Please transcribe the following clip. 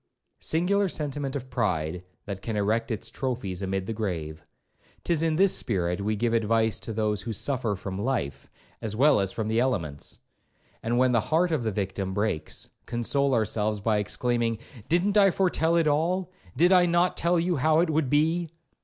Singular sentiment of pride, that can erect its trophies amid the grave. 'Tis in this spirit we give advice to those who suffer from life, as well as from the elements; and when the heart of the victim breaks, console ourselves by exclaiming, 'Didn't I foretell it all?did I not tell you how it would be?'